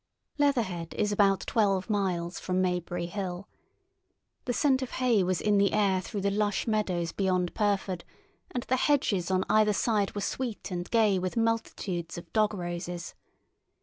Leatherhead is about twelve miles from Maybury Hill. The scent of hay was in the air through the lush meadows beyond Pyrford, and the hedges on either side were sweet and gay with multitudes of dog roses.